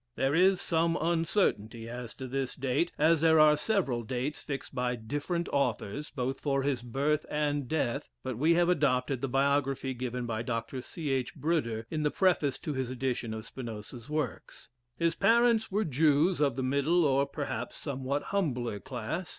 There is some uncertainty as to this date, as there are several dates fixed by different authors, both for his birth and death, but we have adopted the biography given by Dr. C. H. Bruder, in the preface to his edition of Spinoza's works. His parents were Jews of the middle, or, perhaps, somewhat humbler class.